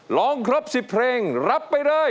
ร้องครบ๑๐เพลงรับไปเลย